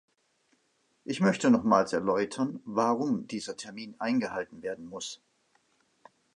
Ich möchte nochmals erläutern, warum dieser Termin eingehalten werden muss.